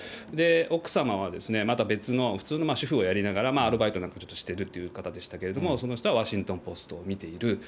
奥様はまた別の、普通の主婦をやりながら、アルバイトなんかちょっとしてるっていう方でしたけれども、その人はワシントン・ポストを見ている。